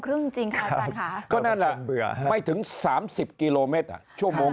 จริงค่ะอาจารย์ค่ะก็นั่นแหละไม่ถึง๓๐กิโลเมตรชั่วโมง